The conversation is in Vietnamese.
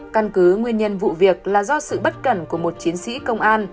căn cứ nguyên nhân vụ việc là do sự bất cẩn của một chiến sĩ công an